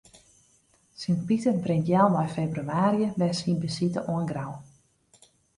Sint Piter bringt healwei febrewaarje wer syn besite oan Grou.